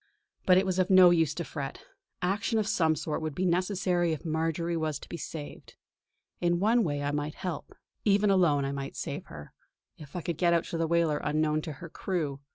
But it was of no use to fret; action of some sort would be necessary if Marjory was to be saved. In one way I might help. Even alone I might save her, if I could get out to the whaler unknown to her crew.